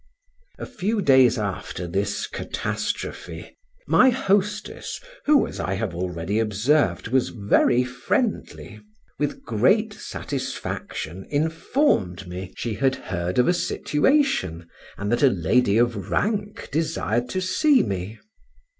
A few days after this catastrophe; my hostess, who, as I have already observed, was very friendly, with great satisfaction informed me she had heard of a situation, and that a lady of rank desired to see me.